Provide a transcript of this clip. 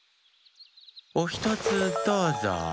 おひとつどうぞ。